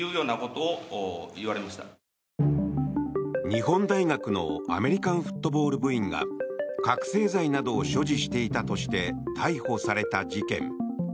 日本大学のアメリカンフットボール部員が覚醒剤などを所持していたとして逮捕された事件。